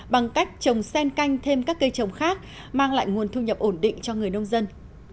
bằng cách trồng sen canh thêm các cây trồng khác mang lại nguồn thu nhập ổn định cho người nông dân